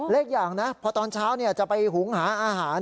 อีกอย่างนะพอตอนเช้าจะไปหุงหาอาหาร